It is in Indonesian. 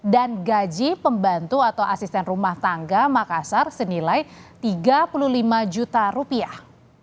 dan gaji pembantu atau asisten rumah tangga makassar senilai tiga puluh lima juta rupiah